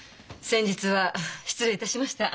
先日は失礼いたしました。